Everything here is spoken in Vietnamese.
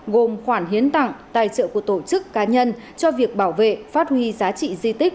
gồm khoản hiến tặng tài trợ của tổ chức cá nhân cho việc bảo vệ phát huy giá trị di tích